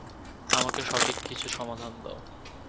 আমাকে সঠিক কিছু সমাধান দাও।